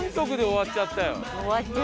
終わっちゃった。